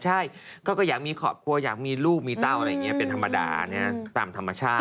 ใช่ก็อยากมีครอบครัวอยากมีลูกมีเต้าอะไรอย่างนี้เป็นธรรมดาตามธรรมชาติ